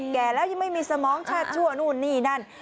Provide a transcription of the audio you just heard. แก่แล้วยังไม่มีสมองชาติชั่วนู่นนี่นั่น